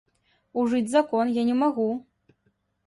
Ужыць закон я не магу.